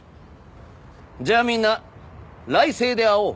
じゃあみんな来世で会おう！